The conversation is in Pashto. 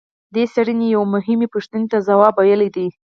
دې څېړنې یوې مهمې پوښتنې ته ځواب ویلی دی.